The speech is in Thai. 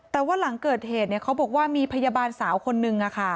แต่ว่าหลังเกิดเหตุเขาบอกว่ามีพยาบาลสาวคนนึง